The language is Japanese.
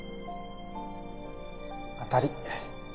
当たり。